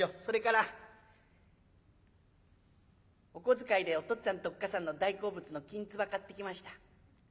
「それからお小遣いでお父っつぁんとおっ母さんの大好物のきんつば買ってきました。